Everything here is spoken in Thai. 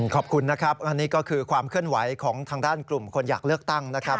ขอบคุณนะครับอันนี้ก็คือความเคลื่อนไหวของทางด้านกลุ่มคนอยากเลือกตั้งนะครับ